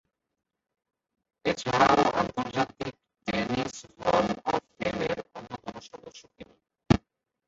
এছাড়াও, আন্তর্জাতিক tennis hall of ফেমের অন্যতম সদস্য তিনি।